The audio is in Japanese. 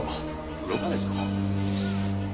風呂場ですか？